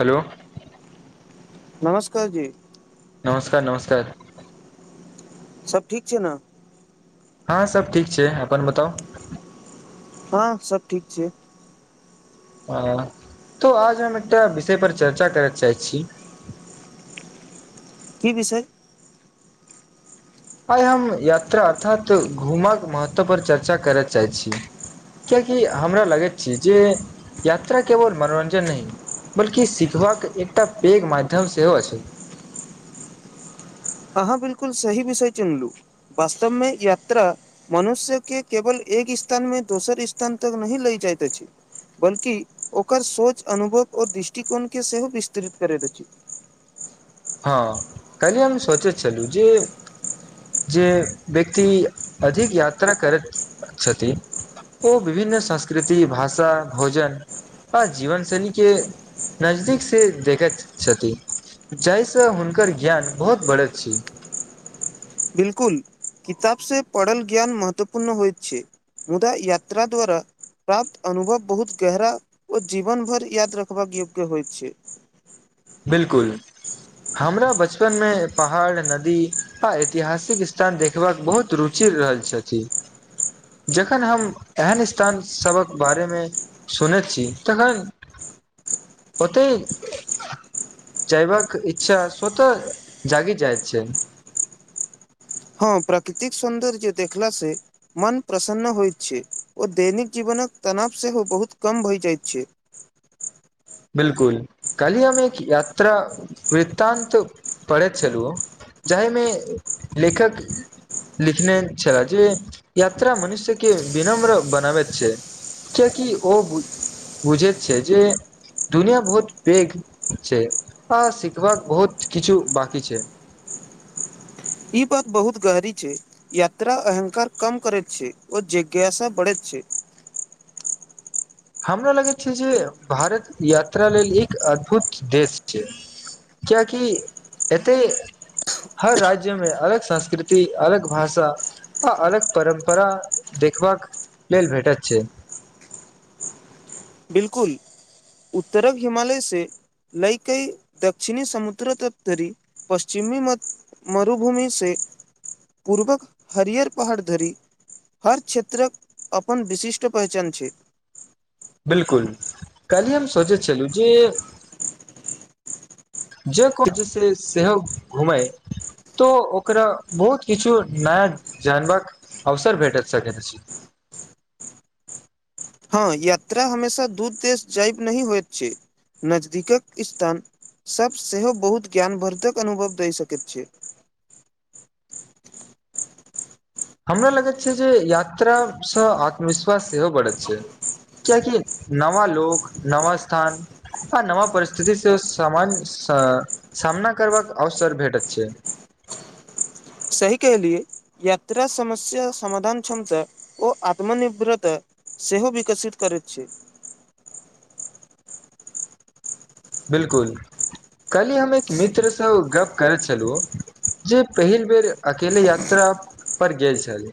hello नमस्कार जी नमस्कार नमस्कार सभ ठीक छै ने हँ सभ ठीक छै अपन बताउ हँ सब ठीक छै हँ तऽ आज हम एकटा विषय पर चर्चा करय चाहय छी [inaudible] की विषय आइ हम यात्रा अर्थात घुमयक महत्वपर चर्चा करय चाहैत छी कियकि हमरा लगैत छै जे यात्रा केवल मनोरञ्जन नहि बल्कि सिखबाक एकटा पैघ माध्यम सेहो छै अहाँ बिलकुल सही विषय चुनलू वास्तवमे यात्रा मनुष्य के केवल एक ह स्थान मे दोसर स्थान तक नहि लै जाइत अछि बल्कि ओकर सोच अनुभव आओर दृष्टिकोणके सेहो विस्तृत करैत अछि हँ काल्हि हम सोचैत छलहु जे जे व्यक्ति अधिक यात्रा करैत छथि ओ विभिन्न संस्कृति भाषा भोजन आ जीवन शैली के नजदीक से देखैत छथि जाहि सँ हुनकर ज्ञान बहुत बढ़ैत छै बिलकुल किताब से पढ़ल ज्ञान महत्वपूर्ण होइत छै मुदा यात्रा द्वारा प्राप्त अनुभव बहुत गहरा ओ जीवन भर याद रखबाक योग्य होइत छै बिलकुल हमरा बचपन मे पहाड़ नदी आ ऐतिहासिक स्थान देखबाक बहुत रुचि िर रहल छथि जखन हम एहन स्थान सभक बारे मे सुनैत छी तखन ओते जयबाक इच्छा स्वतः जगी जाइ छै हँ प्राकृतिक सौन्दर्य देखला से मन प्रसन्न होइत छै ओ दैनिक जीवन नक तनाव सेहो बहुत कम भऽ जाइत छै [inaudible] बिलकुल काली हम एक यात्रा वृत्तान्त पढ़ैत छलु जाहिमे लेखकी लिखने छल जे यात्रा मनुष्य के विनम्र बनाब छै कियकि ओ बुझैत छै जे दुनिया बहुत पेघ छै आ सिखबाक बहुत किछु बाकी छै [inaudible] ई बात बहुत गहरी छै यात्रा अहंकार कम करैत छै और जिज्ञासा बढ़ैत छै [inaudible] हमरा लगैत छै जे भारत यात्रा लेल एक अद्भुत देश छै किएकि एतेक हर राज्य में अलग संस्कृति अलग भाषा आ अलग परम्परा देखबाक लेल भेटैत छै बिलकुल उत्तरक हिमालय से लइकई दक्षिणी समुद्र तप्तरी पश्चिमी मरुभूमि से [inaudible] पूर्वक हरिअर पहाड़ धरी हर क्षेत्रक अपन विशिष्ट पहचान छै बिलकुल काहिले हम सोचै छलहुँ जे जय को जैसे सेहोह घुमए तो ओकरा बहुत किछु नया जानबाक अवसर भेट सकैत छी [inaudible] हँ यात्रा हमेशा दूत देश जायब नहि होइत छै नजदीकक स्थान सभ सेहो बहुत ज्ञानवर्धक अनुभव दहि सकैत छ हमरा लगैत छै जे यात्रा सँ आत्मविश्वास सेहो बढ़ैत छै क्याकि नवा लोक नवा स्थान आ नवा परिस्थिति से सामान्य स सामना करबाक अवसर भेटत छै सही केलियए यात्रा समस्या समाधान क्षमता ओ आत्मनिर्भरता सेहो विकसित करैत छै [inaudible] बिलकुल कलहि हम एक मित्र सँ गप्प करैत छलहुँ जे पहिल बेर अकेले यात्रा पर गेल छल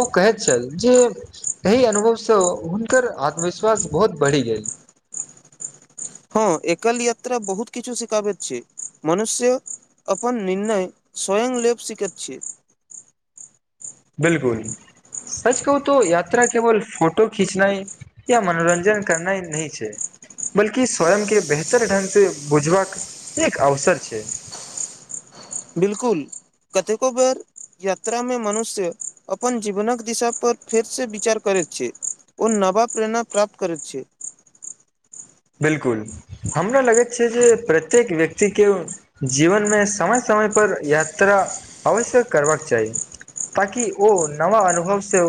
ओ कहैत छल जे एहि अनुभव सँ हुनकर आत्मविश्वास बहुत बढ़ि गेल [inaudible] हँ एकल यात्रा बहुत किछु शिखाब छै मनुष्य अपन निर्णय स्वयं लेब सीकैत छ बिलकुल सच कहू तो यात्रा केवल फोटो खीचनाइ या मनोरंजन करना नहि छै बल्कि स्वयं के बेहतर ढ्ंग से बुझबाक एक अवसर छै [inaudible] बिलकुल कतेको बेर यात्रा में मनुष्य अपन जीवनक दिशाापर फेरसँ विचार करैत छै ओ नवा प्रेरणा प्राप्त करैत छै [inaudible] बिलकुल हमरा लगैत छै जे प्रत्येक व्यक्तिे जीवन मे समय समय समय पर यात्रा अवश्यक करबाक चाही ताकि ओ नवा अनुभव सँ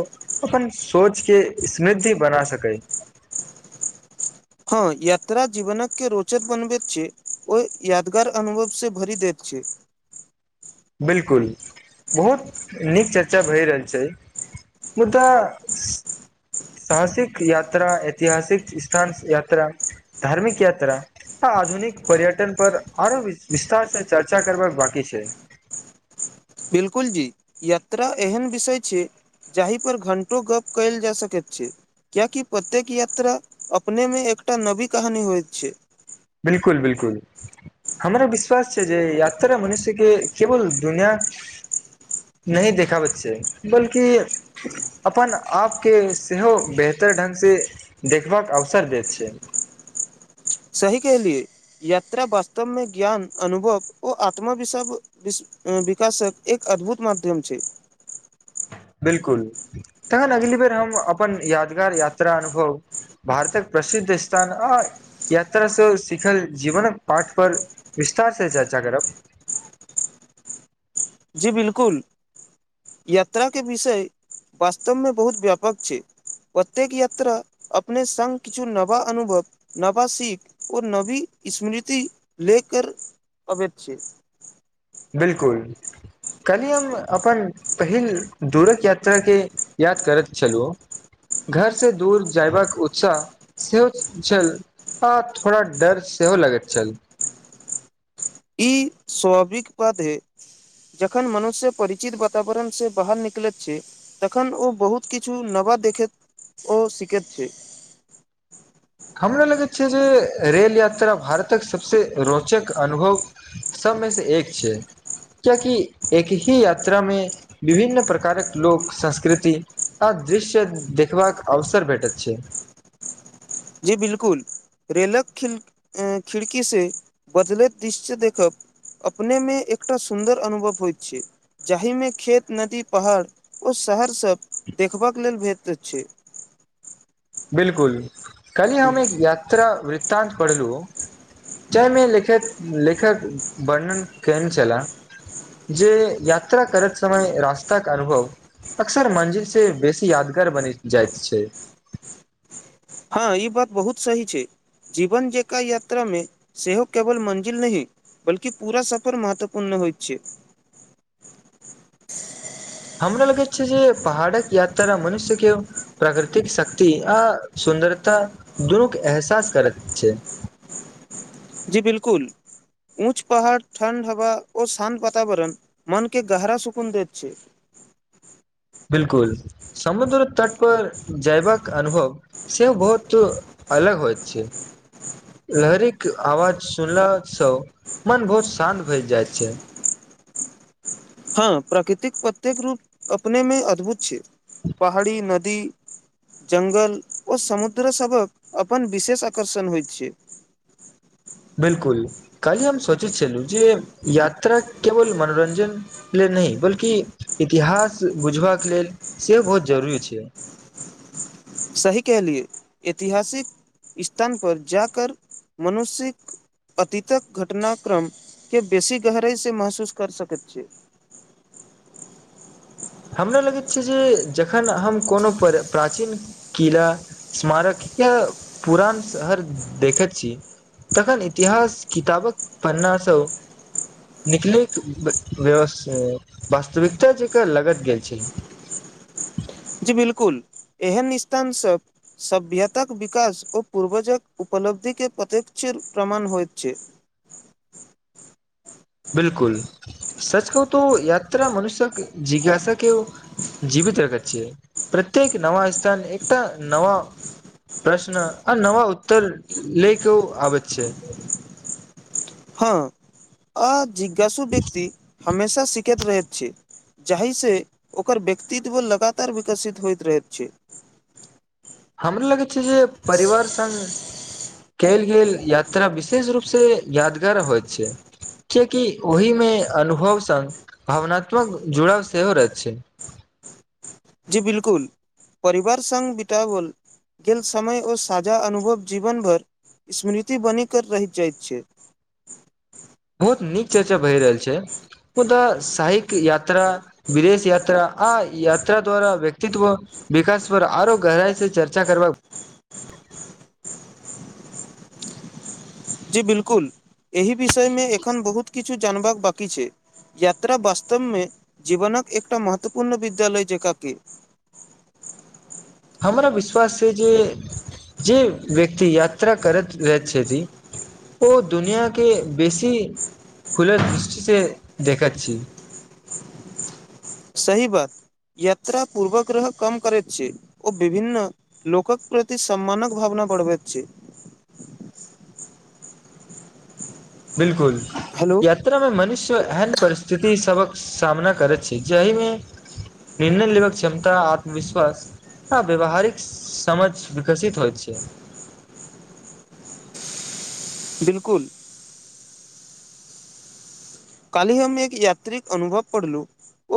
अपन सोचके समृद्धि बना सकै [inaudible] हँ यात्रा जीवनक के रोचक बनबैत छै ओ यादगार अनुभव सँ भरि दैत छै बिलकुल बहुत नीक चर्चा भए रहल छै मुदा साहसिक यात्रा ऐतिहासिक स्थान यात्रा धार्मिक यात्रा आ आधुनिक पर्यटन पर आरो विस्तार से चर्चा करबाक बाकी छै बिल्कुल जी यात्रा एहन विषय छै जाहिपर घण्टो गप्प कयल जा सकै छे कियाकि प्रत्येक यात्रा अपने मे एकटा नवी कहानी होइत छै बिलकुल बिलकुल हमरा विश्वास छै जे यात्रा मनुष्यके केवल दुनिया नहि देखा बच्चे बल्कि अपन आपके सेहो बेहतर ढङ्ंगग सँ देखबाक अवसर दैत छै [inaudible] सही कहलिय यात्रा वास्तव मे ज्ञान अनुभव ओ आत्मविश विश विकासक एक अद्भुत माध्यम छै बिलकुल तखन अगली बेर हम अपन यादगार यात्रा अनुभव भारतक प्रसिद्ध स्थान अ यात्रा से सिखल जीवनक पाठ पर विस्तार से चर्चा करब [inaudible] जी बिलकुल यात्त्रा के विषय वास्तव मे बहुत व्यापक छै ओतेक यात्रा अपने सङ्ग किछु नवा अनुभव नवा सीख ओ नवी स्मृति लेकर अबैत छै बिलकुल कल्हि हम अपन पहिल दूरक यात्रा के याद करैत छलहुँ घर से दूर जयबाक उत्साह सेहो झल आ थोड़ा डर सेहो लगत चल स्वाविक बधे जखन मनुष्य परिचित वातावरण से बाहर निकलैत छै तखन ओ बहुत किछु नवद देखैत ओ सीखैत छै [inaudible] हमरा लगैत छै जे रेल यात्रा भारतक सबसे रोचक अनुभव सब मे से एक छै क्याकि एक ही यात्रा मे विभिन्न प्रकारक लोक संस्कृति आ दृश्य देखबाक अवसर भेटत छै जी बिलकुल रेलक खिल खिड़की सँ बदलैत दृश्य देखब अपने मे एकटा सुन्दर अनुभव होइत छै जाहिमे खेत नदी पहाड़ ओ शहरसभ देखबाक लेल भेट छै बिलकुल कली हम एक यात्रा वृत्त वृतान्त पढलू जयमे लेखक लेखक वर्णन केन छलाह जे यात्रा करत समय रास्ताक अनुभव अक्सर मंजिल से बेसी यादगार बनि जाइत छै हँ ई बात बहुत सही छै जीवन जका यात्रा मे सेहो केवल मंजिल नहि बलकि पूरा सफर महत्वपूर्ण होइ छै [inaudible] हमरा लगैत छै जे पहाड़क यात्रा मनुष्य के प्राकृतिक शक्ति आ स सुन्दरता दुनूके एहसास करैत छै जी बिलकुल ऊँच पहाड़ ठण्ड हवा ओ शान्त वातावरण मन के गाहरा सुकुन दैत छै [inaudible] बिलकुल समुद्र तट पर जयबाक अनुभव सेहो बहुत अलग होइत छै लहरिक आवाज सुनला स मन बहुत शान्त भए जाइत छै हँ प्राकृतिक प्रत्येक रूप अपनेमे अद्भुत छै पहाड़ी नदी जंगल ओ समुद्र सबक अपन विशेष आकर्षण होइ छै [inaudible] बिल्कुल कालहि हम सोचैत छलु जे यात्रा केवल मनोरंजन ले नयि बल्कि इतिहास बुझबाक लेल सेहो बहुत जरूरी छै [inaudible] सही कहलियै ऐतिहासिक स्थान पर जा कर मनुशिक अतीतक घटनाक्रम के बेसी गहराइसे महसूस कर सकैत छी [inaudible] हमरा लगैत छै जे जखन हम कोनो प्र प्राचीन किला स्मारक इ पुरान शहर देखै छी तखन इतिहास किताबक पन्ना सँ निकलक व्यवस्थित वास्तविकता जेका लगत गेल छी जी बिल्कुल एहन स्थान सब सभ्यताक विकास ओ पूर्वजक उपन उपलब्धि के प्रत्यक्ष प्रमाण होइत छै [inaudible] बिलकुल सच कहू त यात्रा मनुष्य्यक जिज्ञासा के जीवित रखैत छै प्रत्येक नवा स्थान एकटा नवा प्रश्न आ नवा उत्तर लै के आबत छै हाँ आ जिज्ञासु व्यक्ति हमेशा सीखैत रहैत छै जाहिसे ओकर व्यक्तित्व लगातार विकसित होइत रहैत छै हमरा लगै छै जे परिवार संग कयल गेल यात्रा विशेष रूप से यादगार होइत छै कियकि ओहिमे अनुभव संग भावनात्मक जुड़ाव सेहो रहच छै [inaudible] जी बिल्कुल परिवार संग बीताबल गेल समय ओ साझा अनुभव जीवन भर स्मृति बन कऽ रहि जाइत छै बहुत नीक चर्चा भए रहल छै मुदा शहिक यात्रा विदेश यात्रा आ यात्रा द्वारा व्यक्तित्व विकास पर आरो गहराई से चर्चा कर करब जी बिल्कुल एहि विषयमे एखन बहुत किछु जानबाक बाकी छै यात्रा वास्तव मे जीवनक एकटा महत्वपूर्ण विद्यालय जकाँ के [inaudible] हमरा विश्वास छै जे जे व्यक्ति यात्रा करैत रहैत छथि ओ दुनिआके बेसी खुला दृष्टि से देखा छी सही बात यात्रा पूर्वग्रह कम करैत छै ओ विभिन्न लोकक प्रति सम्मानक भावना बढबैत छै [inaudible] बिल्कुल हेलो यात्रा मे मनुष्य एहन परिस्थिति सबक सामना करैत छै जहिमे निर्णय लेबक क्षमता आत्मविश्वास हाँ व्यावहारिक समझ विकसित होइत छै बिल्कुल कालि हममे एक यात्रिक अनुभव पढ़लू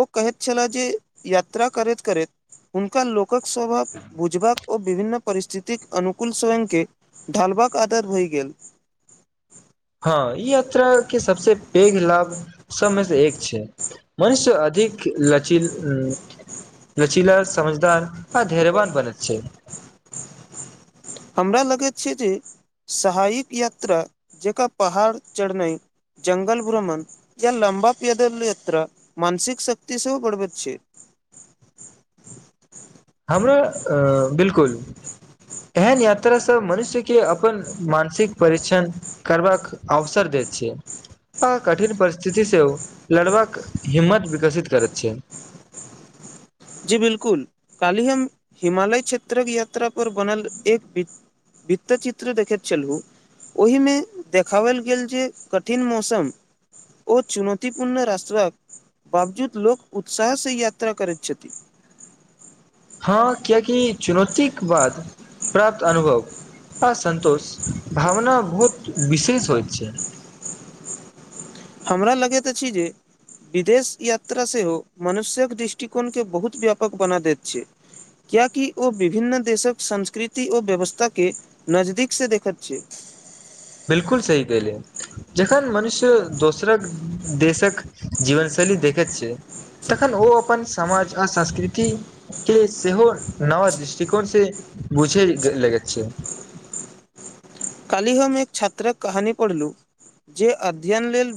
ओ कहैत छलै जे यात्रा करैत करैत हुनका लोकक स्वभाव बुझबाक ओ विभिन्न परिस्थितिक अनुकूल स्वयं के ढाल बाके आदर होइ गेल [inaudible] हँ ई यात्रा के सबसे पैघ लाभ सबमे से एक छै मनुष्य अधिक लचील लचीला समझदार आ धैर्यवन बनेैत छै हमरा लगैत छै जे सहायियक यात्रा जेक पहाड़ चढ़नाई जंगल भ्रमण या लम्बा पयदल याता मानसिक शक्त सेहो गड़बैत छै [inaudible] कुल एहन यात्रा से मनुष्य के अपन मानसिक परिक्षण करबाक अवसर दे छियै आ कठिन परिस्थिति सेहो लड़बाक हिम्मत विकसित करैत छै [inaudible] जी बिलकुल काली हम हिमालय क्षेत्रक यात्रा बनल एक वित्त चित्र देखैत छलू ओहिमे देखाबल गेल जे कठिन मौसम ओ चुनौतीपूर्ण रास्त्राक बावजूद लोक उत्साह से यात्रा करैत छथि [inaudible] हँ कियाकि चुनौतीक बाद प्राप्त अनुभव हँ संतोष भावना बहुत विशेष होइत छै हमरा लगैत अछि जे विदेश यात्रा सेहो मनुष्यक दृष्टिकोण के बहुत व्यापक बना दैत छै कियाकि ओ विभिन्न देशक संस्कृति ओ व्यवस्था के नजदिक से देखैत छै [inaudible] बिलकुल सही कले जखन मनुष्य दोसरक देशक जीवन सँ तनी देख छै तखन ओ अपन समाज आ संस्कृति के सेहो नव दृष्टिकोण सँ बुझे लेगे छै कालहि हम एक छात्रक कहानी पढ़लू जे अध्ययन लेल